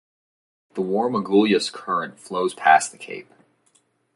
The warm Agulhas Current flows past the cape.